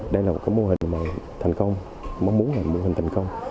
đây là một mô hình thành công mong muốn là một mô hình thành công